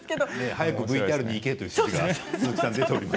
早くＶＴＲにいけという指示が出ています。